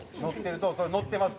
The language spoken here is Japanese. それ乗ってます。